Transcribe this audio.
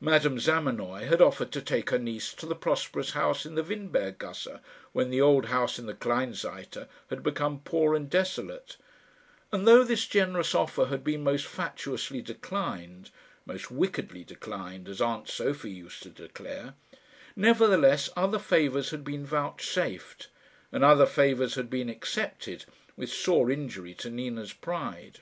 Madame Zamenoy had offered to take her niece to the prosperous house in the Windberg gasse when the old house in the Kleinseite had become poor and desolate; and though this generous offer had been most fatuously declined most wickedly declined, as aunt Sophie used to declare nevertheless other favours had been vouchsafed; and other favours had been accepted, with sore injury to Nina's pride.